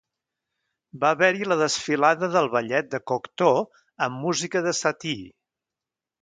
Va haver-hi la desfilada del Ballet de Cocteau, amb música de Satie.